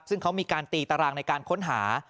ซึ่งเขามีการตีตารางในการค้นหา